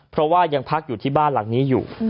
เพราะว่ายังพักอยู่ที่บ้านหลังนี้อยู่